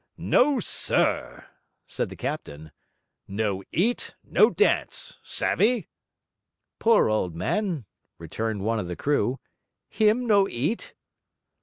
'No, SIR!' said the captain. 'No eat, no dance. Savvy?' 'Poor old man!' returned one of the crew. 'Him no eat?'